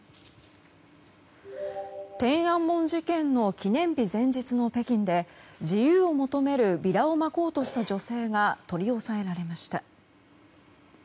天安門事件の記念日前日の北京で自由を求めるビラをまこうとした女性が取り押さえられました。